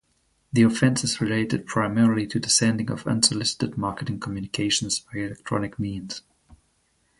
The offences relate primarily to the sending of unsolicited marketing communications by electronic means.